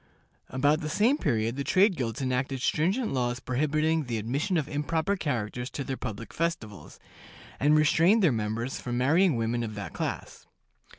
About the same period the trade guilds enacted stringent laws prohibiting the admission of improper characters to their public festivals, and restraining their members from marrying women of that class.